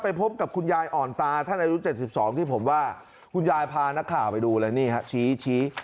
พบกับคุณยายอ่อนตาท่านอายุ๗๒ที่ผมว่าคุณยายพานักข่าวไปดูแล้วนี่ฮะชี้